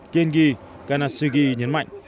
kiengi kanasugi nhấn mạnh